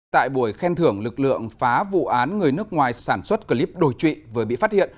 tại buổi khen thưởng lực lượng phá vụ án người nước ngoài sản xuất clip đồi trụy vừa bị phát hiện